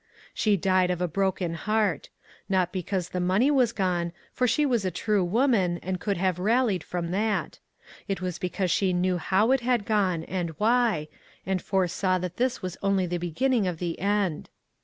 She died of a broken heart — not because the money was gone — for she was a true woman, and could have ' rallied from that. It was because she knew how it had gone, and why, and fore saw that this was only the beginning of the end.